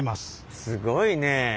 すごいね。